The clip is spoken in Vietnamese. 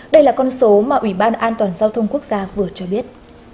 đây là con số mà ủy ban an toàn giao thông quốc gia vừa cho biết